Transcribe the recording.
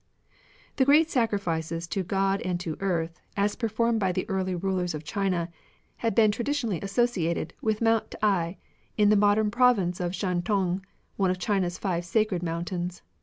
The great sacrifices to God and to Earth, as performed by the early rulers of China, had been traditionally associated with Mount T'ai, in the modem province of Shantimg, one of China's five sacred mountains.